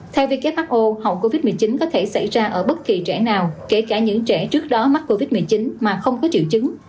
theo who hậu covid một mươi chín có thể xảy ra ở bất kỳ trẻ nào kể cả những trẻ trước đó mắc covid một mươi chín mà không có triệu chứng